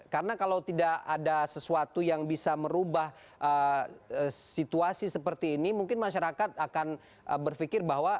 karena kalau tidak ada sesuatu yang bisa merubah situasi seperti ini mungkin masyarakat akan berpikir bahwa